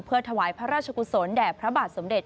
ถวายพระราชกุศลแด่พระบาทสมเด็จ